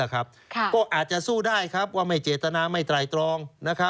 ก็อาจจะสู้ได้ครับว่าไม่เจตนาไม่ไตรตรอง